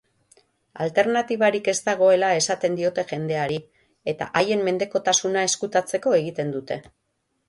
Alternatibarik ez dagoela esaten diote jendeari, eta haien mendekotasuna ezkutatzeko egiten dute.